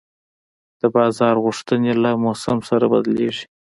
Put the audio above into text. د بازار غوښتنې له موسم سره بدلېږي.